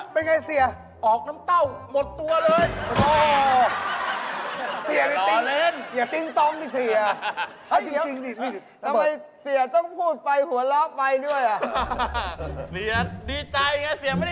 เป็นไงเสียออกน้ำเต้าหมดตัวเลย